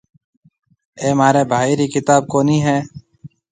اَي مهاريَ ڀائي رِي ڪتاب ڪونَي هيَ۔